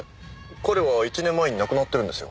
彼は１年前に亡くなってるんですよ。